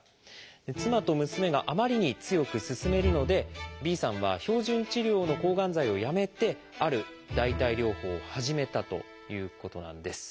妻と娘があまりに強く勧めるのでＢさんは標準治療の抗がん剤をやめてある代替療法を始めたということなんです。